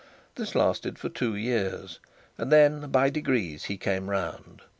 This lasted for two years, and then by degrees he came round.